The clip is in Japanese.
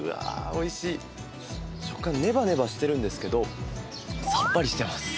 おいしい食感ネバネバしてるんですけどさっぱりしてます